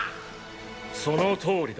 そのとおりだ。